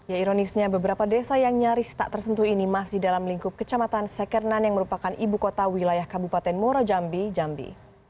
ya ironisnya beberapa desa yang nyaris tak tersentuh ini masih dalam lingkup kecamatan sekernan yang merupakan ibu kota wilayah kabupaten muara jambi jambi